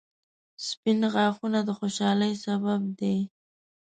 • سپین غاښونه د خوشحالۍ سبب دي